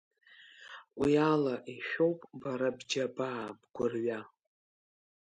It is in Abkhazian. Уи ала ишәоуп бара бџьабаа, бгәырҩа.